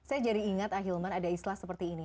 saya jadi ingat ahilman ada islah seperti ini